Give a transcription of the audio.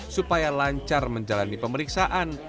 supaya lancar menjalani pemeriksaan